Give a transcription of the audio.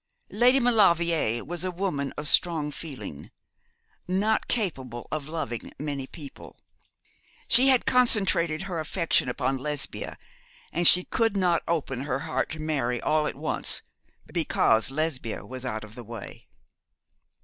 Lady Maulevrier was a woman of strong feeling, not capable of loving many people. She had concentrated her affection upon Lesbia: and she could not open her heart to Mary all at once because Lesbia was out of the way.